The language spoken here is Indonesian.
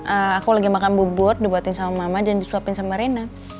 aku lagi makan bubur dibatin sama mama dan disuapin sama rena